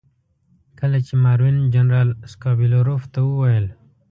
کله چې ماروین جنرال سکوبیلروف ته وویل.